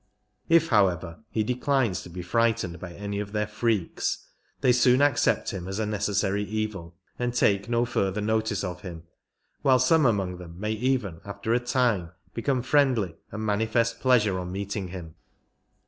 If, however, he declines to be frightened by any of their freaks, they soon accept him as a necessary evil and take no further notice of him, while some among them may even after a time become friendly and manifest pleasure on meet ing him.